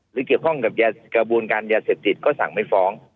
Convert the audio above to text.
หรือเกี่ยวข้องกับกระบวนการยาเสพติดก็สั่งไม่ฟ้อง